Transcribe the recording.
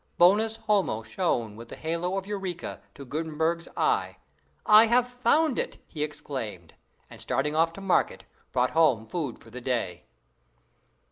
Bonus homo shone with the halo of eureka to Gutenberg's eye. "I have found it!" he exclaimed, and, starting off to market, brought home food for the day.